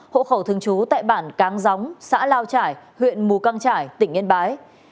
hộ khẩu thường trú tại bản cáng gióng xã lao trải huyện mù căng trải tỉnh yên bái